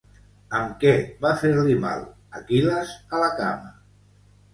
Amb què va fer-li mal Aquil·les a la cama?